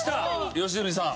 良純さん。